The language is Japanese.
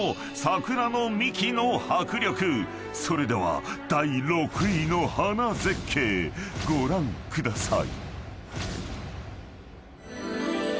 ［それでは第６位の花絶景ご覧ください］